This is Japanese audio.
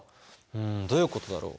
うんどういうことだろ？